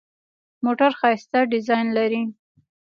موټر ښایسته ډیزاین لري.